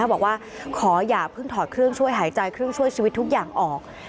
บอกว่าขออย่าเพิ่งถอดเครื่องช่วยหายใจเครื่องช่วยชีวิตทุกอย่างออก